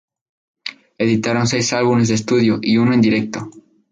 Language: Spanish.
Editaron seis álbumes de estudio y uno en directo.